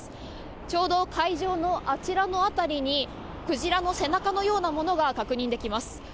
ちょうど海上のあちらの辺りにクジラの背中のようなものが確認できます。